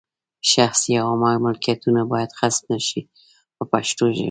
شخصي او عامه ملکیتونه باید غصب نه شي په پښتو ژبه.